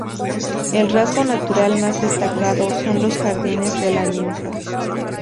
El rasgo natural más destacado son los Jardines de la Ninfa.